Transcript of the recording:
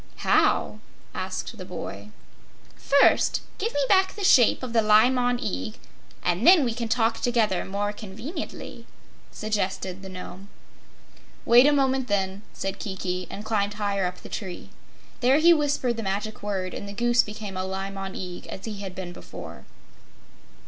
"How?" asked the boy. "First give me back the shape of the Li Mon Eag, and then we can talk together more conveniently," suggested the Nome. "Wait a moment, then," said Kiki, and climbed higher up the tree. There he whispered the Magic Word and the Goose became a Li Mon Eag, as he had been before.